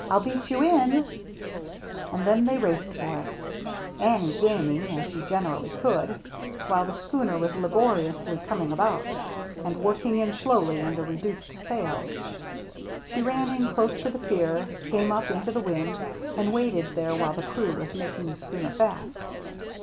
Til beat you in !" And then they raced for it, Annie gaining, as she generally could, while the schooner was laboriously coming about, and working in slowly under reduced sail. She ran in close to the pier, came up into the wind, and waited there while the crew were making the schooner fast.